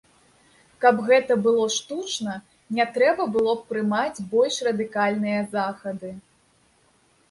Каб гэта было штучна, не трэба было б прымаць і больш радыкальныя захады.